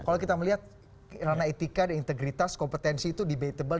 kalau kita melihat ranah etika dan integritas kompetensi itu debatable